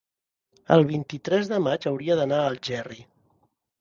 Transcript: el vint-i-tres de maig hauria d'anar a Algerri.